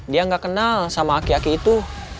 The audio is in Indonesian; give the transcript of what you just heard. dia nggak kenal sama aki aki itu